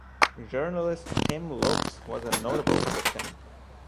Journalist Tim Lopes was a notable victim.